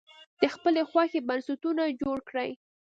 د خپلې خوښې بنسټونه جوړ کړي.